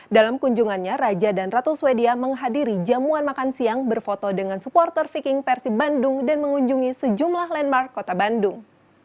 dalam kunjungannya raja dan ratu swedia menghadiri jamuan makan siang berfoto dengan supporter viking persib bandung dan mengunjungi sejumlah landmark kota bandung